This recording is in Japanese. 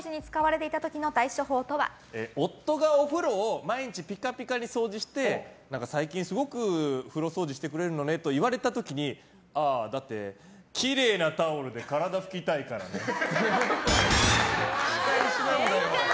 夫がお風呂を毎日ピカピカに掃除して最近すごく風呂掃除してくれるのねと言われた時にああ、だって、きれいなタオルで体拭きたいからねと。